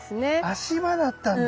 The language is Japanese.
足場だったんだ。